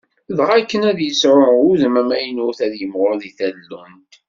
Dɣa, akken ad yesɛu udem d amaynut, ad yimɣur di tallunt.